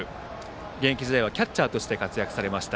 現役時代はキャッチャーとして活躍されました